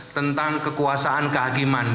tentang kekuasaan keagiman